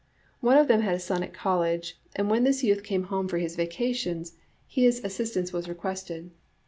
One of them had a son at college, and when this youth came home for his vacations his assistance was requested.